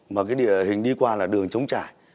mà cái địa hình đi qua là đường chống trải